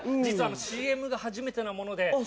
実はＣＭが初めてなもので。